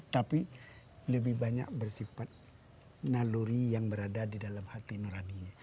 tapi lebih banyak bersifat naluri yang berada di dalam hati nurani